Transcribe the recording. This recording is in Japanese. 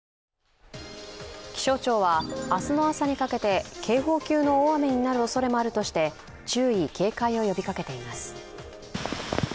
気象庁は明日の朝にかけて警報級の大雨になるおそれもあるとして注意・警戒を呼びかけています。